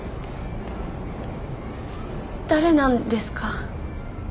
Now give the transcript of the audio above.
誰なんですか？